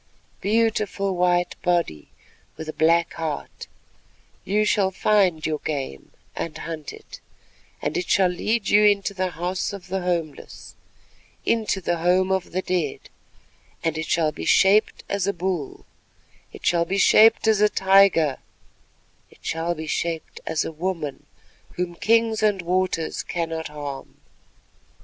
Beautiful white body with black heart, you shall find your game and hunt it, and it shall lead you into the House of the Homeless, into the Home of the Dead, and it shall be shaped as a bull, it shall be shaped as a tiger, it shall be shaped as a woman whom kings and waters cannot harm.